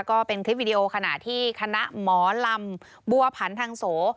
ก็เป็นคลิปวิดีโอขณะที่คณะหมอลำบัวผันทางโส